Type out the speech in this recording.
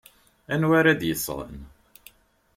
Anwa ara d-yesɣen?